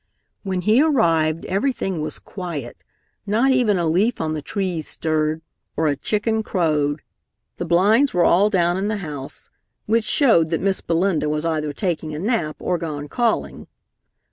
When he arrived everything was quiet. Not even a leaf on the trees stirred, or a chicken crowed. The blinds were all down in the house, which showed that Miss Belinda was either taking a nap or gone calling.